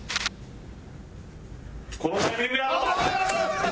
このタイミングやろ！